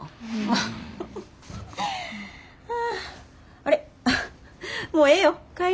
あれもうええよ帰り。